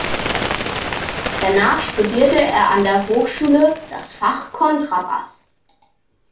Danach studierte er an der Hochschule das Fach "Kontrabass".